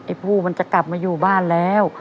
ผู้มันจะกลับมาอยู่บ้านแล้ว